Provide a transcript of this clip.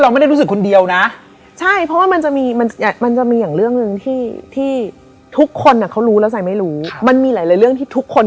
มันจะการมันได้เลยเหรอ